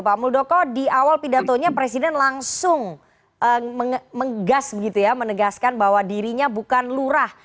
pak muldoko di awal pidatonya presiden langsung menggas menegaskan bahwa dirinya bukan lurah